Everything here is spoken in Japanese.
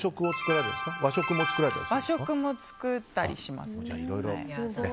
和食も作ったりします。